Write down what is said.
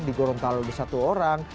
di gorong talol ada satu orang